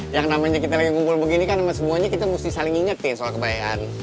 yang namanya kita lagi kumpul begini kan semuanya kita mesti saling ingetin soal kebayaan